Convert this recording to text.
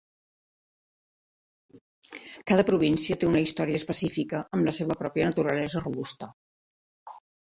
Cada província té una història específica amb la seva pròpia naturalesa robusta.